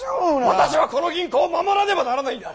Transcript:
私はこの銀行を守らねばならないんだ！